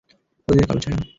অতীতের কালো ছায়া।